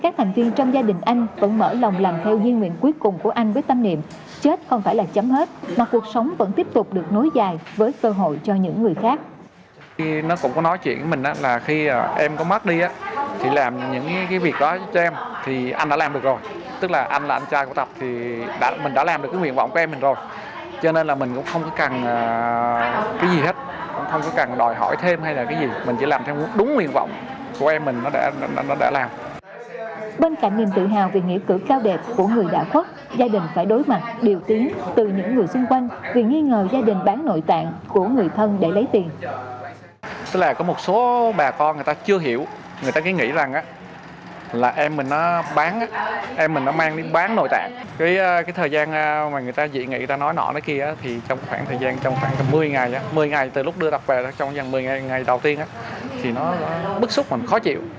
cái thời gian mà người ta dị nghị người ta nói nọ đó kia thì trong khoảng thời gian trong khoảng một mươi ngày một mươi ngày từ lúc đưa đọc về trong khoảng một mươi ngày đầu tiên thì nó bức xúc mình khó chịu